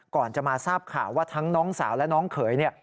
ก่อนจะมาทราบข่าวว่าทั้งน้องสาวและน้องเขยเนี่ย